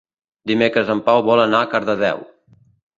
Dimecres en Pau vol anar a Cardedeu.